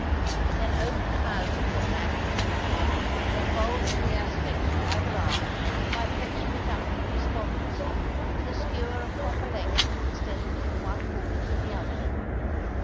Then open the mouth of your languid fish and embolden the aspect of either eye by fetching it up from despondency with a skewer of proper length extended from one ball to the other.